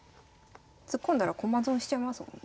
突っ込んだら駒損しちゃいますもんね。